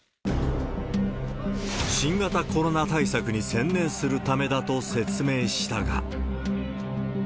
新型コロナ対策に専念するためだと説明したが。